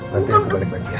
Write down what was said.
nanti aku balik lagi ya